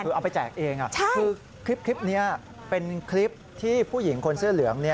คือเอาไปแจกเองคือคลิปนี้เป็นคลิปที่ผู้หญิงคนเสื้อเหลือง